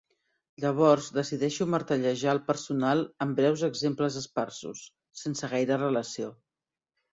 Llavors decideixo martellejar el personal amb breus exemples esparsos, sense gaire relació.